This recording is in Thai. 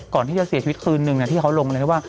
ก่อนที่จะเสียชีวิตคืนนึงที่เขาลงอะไรที่ว่า